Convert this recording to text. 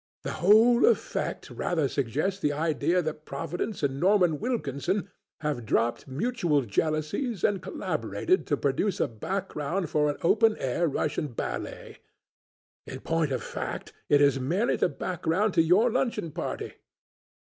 The whole effect rather suggests the idea that Providence and Norman Wilkinson have dropped mutual jealousies and collaborated to produce a background for an open air Russian Ballet; in point of fact, it is merely the background to your luncheon party.